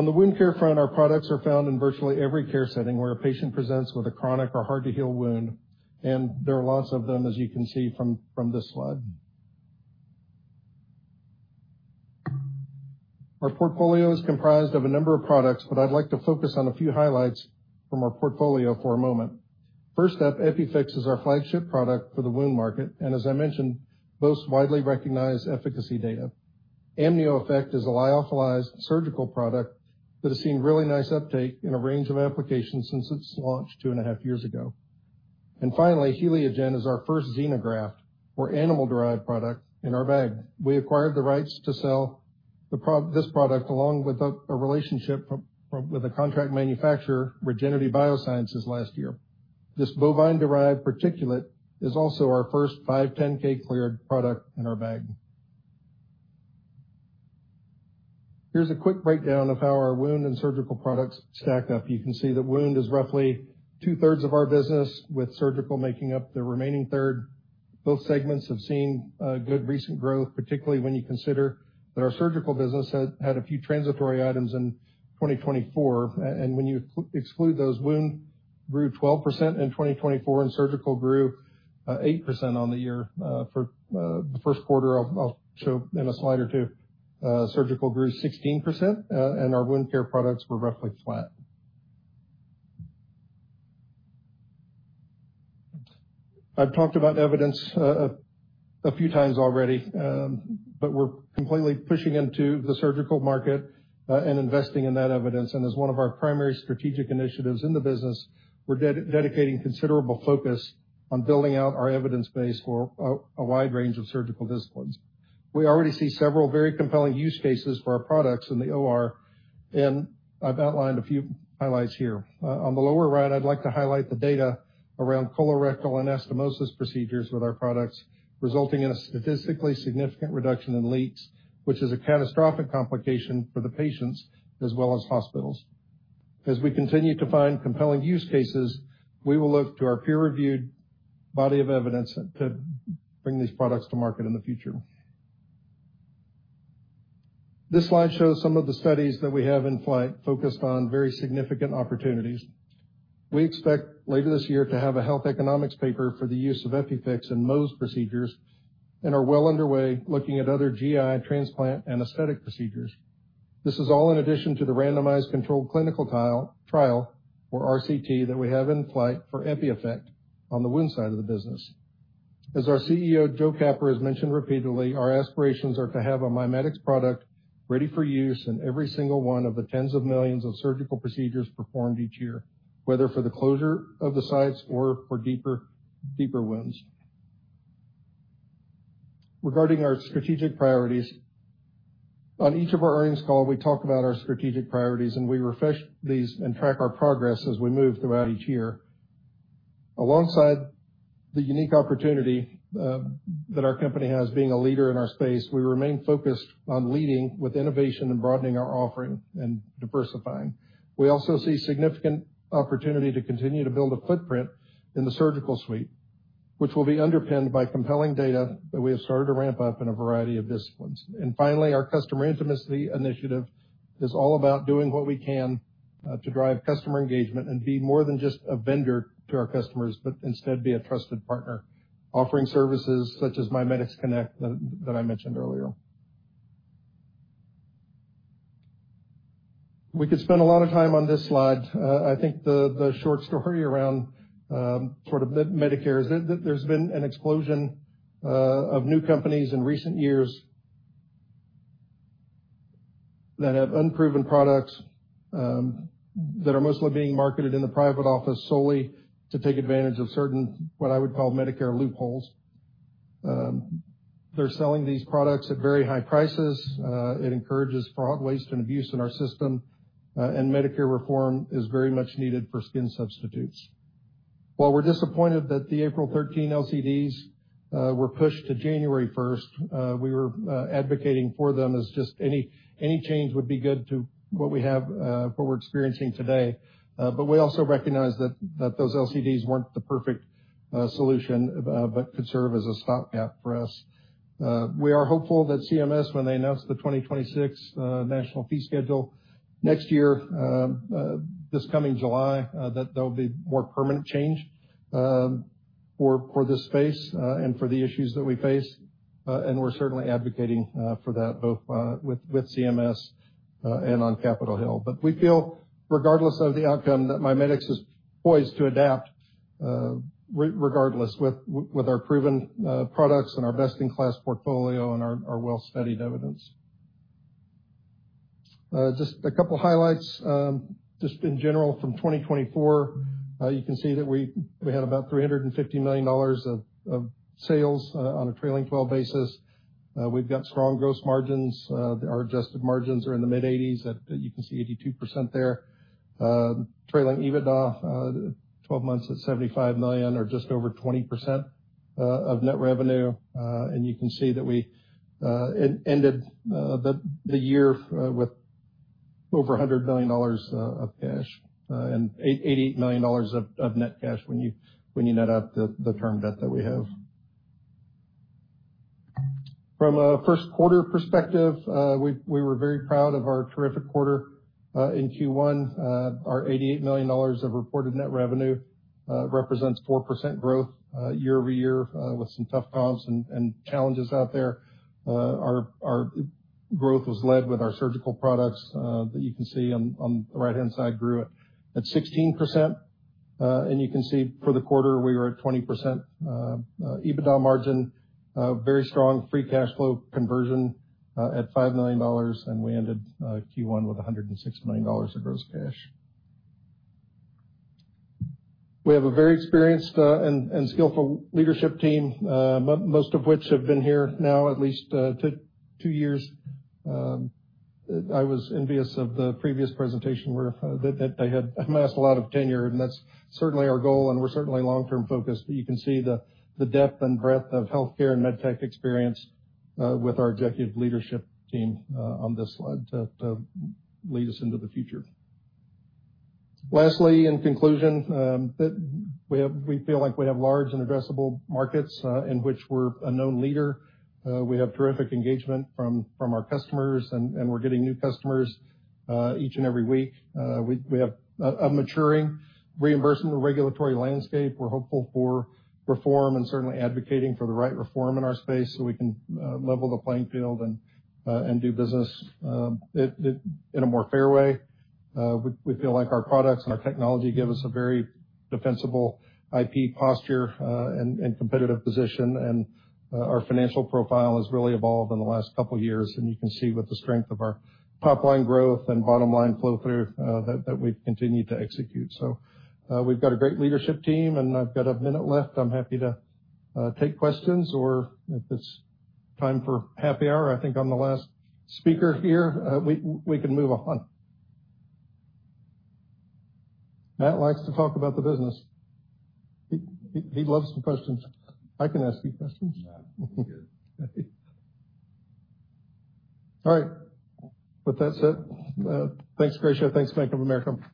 On the wound care front, our products are found in virtually every care setting where a patient presents with a chronic or hard-to-heal wound, and there are lots of them, as you can see from this slide. Our portfolio is comprised of a number of products, but I'd like to focus on a few highlights from our portfolio for a moment. First up, EpiFix is our flagship product for the wound market, and as I mentioned, boasts widely recognized efficacy data. AmnioFix is a lyophilized surgical product that has seen really nice uptake in a range of applications since its launch two and a half years ago. Finally, HelioGen is our first xenograft or animal-derived product. In our bag, we acquired the rights to sell this product along with a relationship with a contract manufacturer, Regenity Biosciences, last year. This bovine-derived particulate is also our first 510(k) cleared product in our bag. Here's a quick breakdown of how our wound and surgical products stack up. You can see that wound is roughly 2/3s of our business, with surgical making up the remaining 1/3. Both segments have seen good recent growth, particularly when you consider that our surgical business had a few transitory items in 2024. When you exclude those, wound grew 12% in 2024, and surgical grew 8% on the year. For the first quarter, I'll show in a slide or two, surgical grew 16%, and our wound care products were roughly flat. I've talked about evidence a few times already, but we're completely pushing into the surgical market and investing in that evidence. As one of our primary strategic initiatives in the business, we're dedicating considerable focus on building out our evidence base for a wide range of surgical disciplines. We already see several very compelling use cases for our products in the OR, and I've outlined a few highlights here. On the lower right, I'd like to highlight the data around colorectal anastomosis procedures with our products, resulting in a statistically significant reduction in leaks, which is a catastrophic complication for the patients as well as hospitals. As we continue to find compelling use cases, we will look to our peer-reviewed body of evidence to bring these products to market in the future. This slide shows some of the studies that we have in flight focused on very significant opportunities. We expect later this year to have a health economics paper for the use of EpiFix in Mohs procedures and are well underway looking at other GI transplant and aesthetic procedures. This is all in addition to the randomized controlled clinical trial, or RCT, that we have in flight for EPIEFFECT on the wound side of the business. As our CEO, Joe Capper, has mentioned repeatedly, our aspirations are to have a MiMedx product ready for use in every single one of the tens of millions of surgical procedures performed each year, whether for the closure of the sites or for deeper wounds. Regarding our strategic priorities, on each of our earnings calls, we talk about our strategic priorities, and we refresh these and track our progress as we move throughout each year. Alongside the unique opportunity that our company has being a leader in our space, we remain focused on leading with innovation and broadening our offering and diversifying. We also see significant opportunity to continue to build a footprint in the surgical suite, which will be underpinned by compelling data that we have started to ramp up in a variety of disciplines. Finally, our customer intimacy initiative is all about doing what we can to drive customer engagement and be more than just a vendor to our customers, but instead be a trusted partner, offering services such as MiMedx Connect that I mentioned earlier. We could spend a lot of time on this slide. I think the short story around sort of Medicare is that there's been an explosion of new companies in recent years that have unproven products that are mostly being marketed in the private office solely to take advantage of certain, what I would call, Medicare loopholes. They're selling these products at very high prices. It encourages fraud, waste, and abuse in our system, and Medicare reform is very much needed for skin substitutes. While we're disappointed that the April 13 LCDs were pushed to January 1, we were advocating for them as just any change would be good to what we have what we're experiencing today. We also recognize that those LCDs weren't the perfect solution but could serve as a stopgap for us. We are hopeful that CMS, when they announce the 2026 national fee schedule next year, this coming July, that there'll be more permanent change for this space and for the issues that we face. We are certainly advocating for that both with CMS and on Capitol Hill. We feel, regardless of the outcome, that MiMedx is poised to adapt regardless with our proven products and our best-in-class portfolio and our well-studied evidence. Just a couple of highlights. Just in general, from 2024, you can see that we had about $350 million of sales on a trailing 12 basis. We have strong gross margins. Our adjusted margins are in the mid-80s. You can see 82% there. Trailing EBITDA, 12 months at $75 million or just over 20% of net revenue. You can see that we ended the year with over $100 million of cash and $88 million of net cash when you net out the term debt that we have. From a first-quarter perspective, we were very proud of our terrific quarter in Q1. Our $88 million of reported net revenue represents 4% growth year-over-year with some tough comps and challenges out there. Our growth was led with our surgical products that you can see on the right-hand side grew at 16%. You can see for the quarter, we were at 20% EBITDA margin, very strong free cash flow conversion at $5 million, and we ended Q1 with $106 million of gross cash. We have a very experienced and skillful leadership team, most of which have been here now at least two years. I was envious of the previous presentation where they had amassed a lot of tenure, and that's certainly our goal, and we're certainly long-term focused. You can see the depth and breadth of healthcare and MedTech experience with our executive leadership team on this slide to lead us into the future. Lastly, in conclusion, we feel like we have large and addressable markets in which we're a known leader. We have terrific engagement from our customers, and we're getting new customers each and every week. We have a maturing reimbursement regulatory landscape. We're hopeful for reform and certainly advocating for the right reform in our space so we can level the playing field and do business in a more fair way. We feel like our products and our technology give us a very defensible IP posture and competitive position, and our financial profile has really evolved in the last couple of years. You can see with the strength of our top-line growth and bottom-line flow-through that we've continued to execute. We've got a great leadership team, and I've got a minute left. I'm happy to take questions, or if it's time for happy hour, I think I'm the last speaker here. We can move on. Matt likes to talk about the business. He loves some questions. I can ask you questions. Yeah. All right. With that said, thanks, Grisha. Thanks, Bank of America.